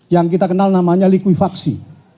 yang kita kenal namanya likuifaksi